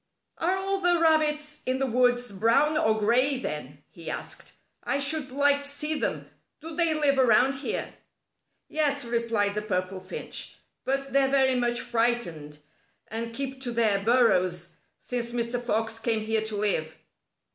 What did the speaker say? "Are all the rabbits in the woods brown or gray, then?" he asked. "I should like to see them. Do they live around here?" "Yes," replied the Purple Finch, "but they're very much frightened and keep to their burrows since Mr. Fox came here to live."